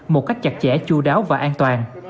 một cách chặt chẽ chú đáo và an toàn